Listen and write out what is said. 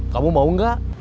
kamu mau gak